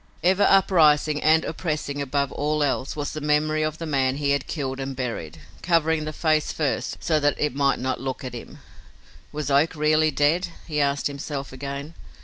Ever uprising and oppressing above all else was the memory of the man he had killed and buried, covering the face first, so that it might not look at him. Was Oak really dead? he asked himself again!